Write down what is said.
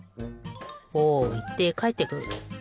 おいってかえってくる。